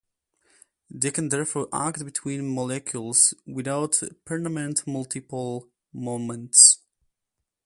They can therefore act between molecules without permanent multipole moments.